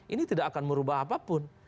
ini tidak akan merubah apapun